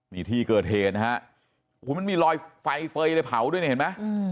มีที่เกิดเหตุนะครับมันมีรอยไฟเลยเผาด้วยนะเห็นมั้ย